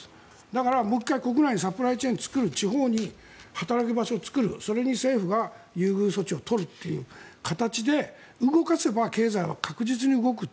だから、もう１回国内のサプライチェーンを作る地方に働き場所を作るそれに政府が優遇措置を取るという形で動かせば経済は確実に動く。